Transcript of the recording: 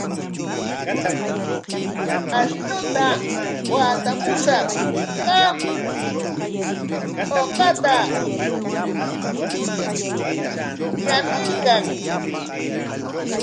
Ashnuta watamushaq, qam uqata yanuykan.